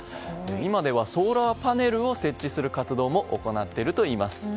今ではソーラーパネルを設置する活動も行っているといいます。